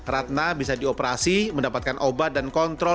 ratna bisa dioperasi mendapatkan obat dan kontrol